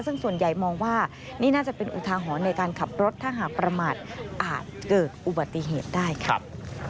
ซึ่งส่วนใหญ่มองว่านี่น่าจะเป็นอุทาหรณ์ในการขับรถถ้าหากประมาทอาจเกิดอุบัติเหตุได้ครับ